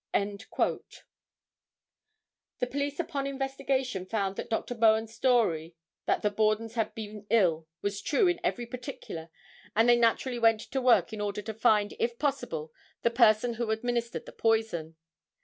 The police upon investigation found that Dr. Bowen's story that the Borden's had been ill was true in every particular and they naturally went to work in order to find, if possible, the person who administered the poison.